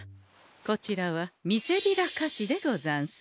こちらはみせびら菓子でござんす。